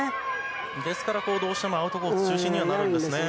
ですから、どうしてもアウトコース中心になりますね。